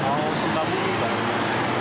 mau sukabumi pak